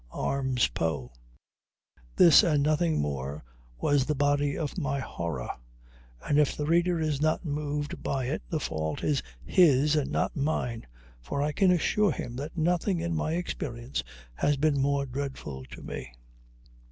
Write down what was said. arms Poe!" This and nothing more was the body of my horror; and if the reader is not moved by it the fault is his and not mine; for I can assure him that nothing in my experience had been more dreadful to me.